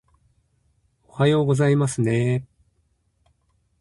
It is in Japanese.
おはようございますねー